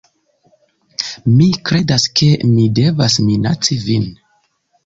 Mi kredas, ke mi devas minaci vin